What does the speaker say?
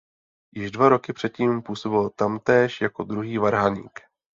Již dva roky předtím působil tamtéž jako druhý varhaník.